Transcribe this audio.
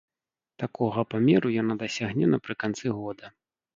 Такога памеру яна дасягне напрыканцы года.